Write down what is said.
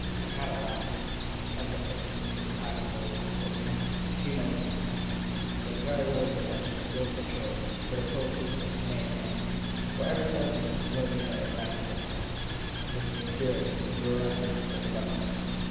They had it at last had what was to be had in an old house where many, too many, things had happened, where the very walls they touched and floors they trod could have told secrets and named names, where every surface was a blurred mirror of life and death, of the endured, the remembered, the forgotten.